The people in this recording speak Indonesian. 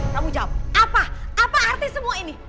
kamu jawab apa apa arti semua ini